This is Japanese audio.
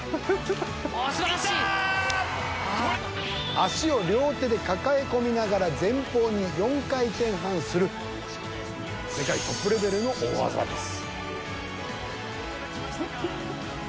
足を両手で抱え込みながら前方に４回転半する世界トップレベルの大技です。